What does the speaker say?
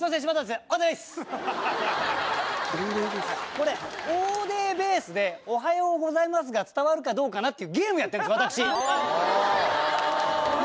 これ「オーデーベース」で「おはようございます」が伝わるかどうかなっていうゲームやってんです私。